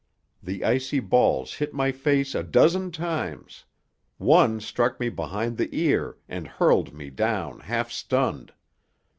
The icy balls hit my face a dozen times; one struck me behind the ear and hurled me down half stunned.